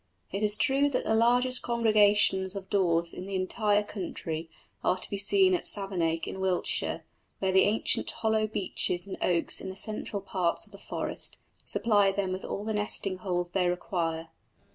It is true that the largest congregations of daws in the entire country are to be seen at Savernake in Wiltshire, where the ancient hollow beeches and oaks in the central parts of the forest supply them with all the nesting holes they require.